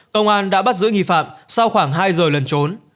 công an đã bắt giữ nghi phạm sau khoảng hai giờ lần trốn